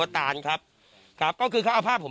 ปู่มหาหมุนีบอกว่าตัวเองอสูญที่นี้ไม่เป็นไรหรอก